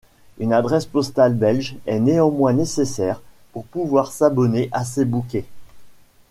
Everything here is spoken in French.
Une adresse postale belge est néanmoins nécessaire pour pouvoir s'abonner à ces bouquets.